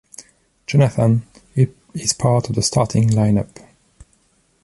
Jonathan is part of the starting lineup.